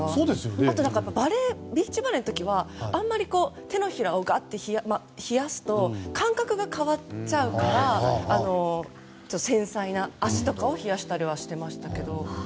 あと、ビーチバレーの時はあんまり手のひらを冷やすと感覚が変わっちゃうから足とかを冷やしたりしていましたけど。